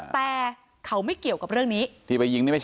แต่เขาไม่เกี่ยวกับเรื่องนี้